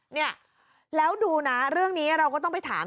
เนี่ยแล้วดูนะเรื่องนี้เราก็ต้องไปถาม